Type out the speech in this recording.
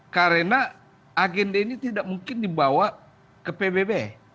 karena agenda ini tidak mungkin dibawa ke pbb